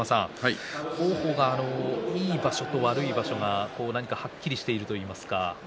王鵬、いい場所と悪い場所が何かはっきりしているといいますか。